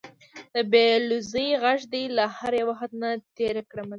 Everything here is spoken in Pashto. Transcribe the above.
د بې لوظۍ غږ دې له هر یو حد نه تېر کړمه زه